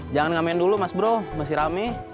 jangan gak main dulu mas bro masih rame